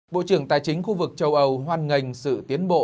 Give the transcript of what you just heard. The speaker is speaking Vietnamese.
bộ trưởng tài chính khu vực châu âu hoan nghênh sự tiến bộ